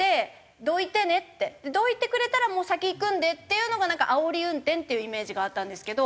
どいてくれたらもう先行くんでっていうのがなんかあおり運転っていうイメージがあったんですけど。